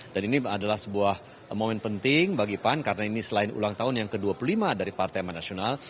dan ini adalah sebuah momen penting bagi pan karena ini selain ulang tahun yang ke dua puluh lima dari partai emanasional